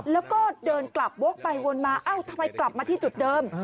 แล้วก็เดินกลับวกไปวนมาเอ้าทำไมกลับมาที่จุดเดิม